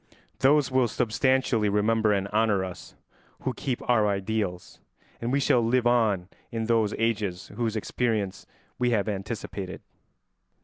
Those will substantially remember and honour us who keep our ideals, and we shall live on in those ages whose experience we have anticipated.